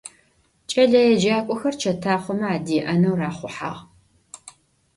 Ç'eleêcak'oxer çetaxhome adê'eneu raxhuhağ.